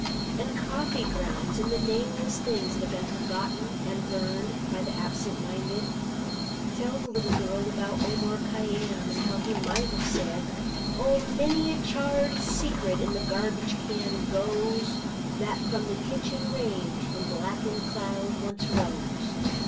And coffee grounds and the nameless things that have been forgotten and burned by the absent minded. Tell the little girl about Omar Khayyam and how he might have said . Oh, many a charred secret into the garbage can goes That from the kitchen range in blackened cloud once rose.